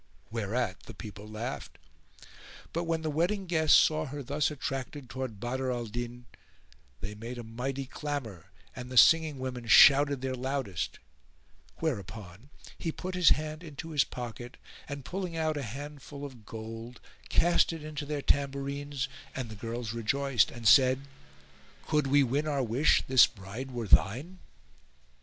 Whereat the people laughed. But when the wedding guests saw her thus attracted towards Badr al Din they made a mighty clamour and the singing women shouted their loudest; whereupon he put his hand into his pocket and, pulling out a handful of gold, cast it into their tambourines and the girls rejoiced and said, "Could we win our wish this bride were thine!"